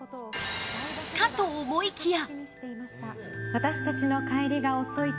かと思いきや！